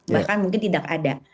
bahkan mungkin tidak ada